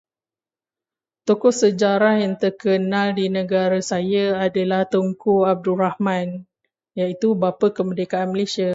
Tokoh sejarah yang terkenal di negara saya adalah Tunku Abdul Rahman, iaitu bapa kemerdekaan Malaysia.